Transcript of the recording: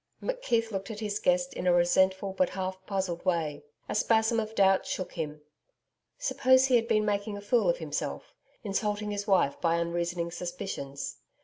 McKeith looked at his guest in a resentful but half puzzled way. A spasm of doubt shook him. Suppose he had been making a fool of himself insulting his wife by unreasoning suspicions?